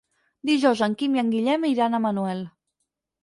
Dijous en Quim i en Guillem iran a Manuel.